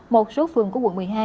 một số phường của quận một mươi hai